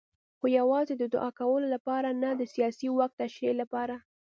خو یوازې د دوعا کولو لپاره نه د سیاسي واک تشریح لپاره.